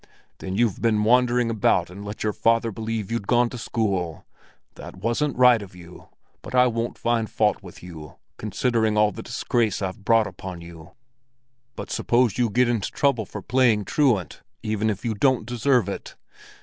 "Then you've been wandering about and let your father believe that you'd gone to school? That wasn't right of you, but I won't find fault with you, considering all the disgrace I've brought upon you. But suppose you get into trouble for playing truant, even if you don't deserve it?